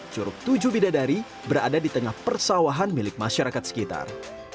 curug tujuh bidadari berada di tengah persawahan milik masyarakat sekitar